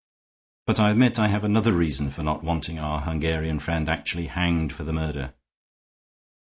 But I admit I have another reason for not wanting our Hungarian friend actually hanged for the murder."